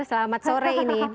selamat sore ini